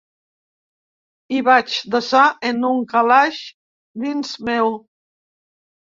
Hi vaig desar en un calaix dins meu.